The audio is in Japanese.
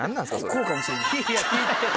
こうかもしれない。